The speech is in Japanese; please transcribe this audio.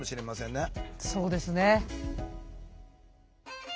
そうですね。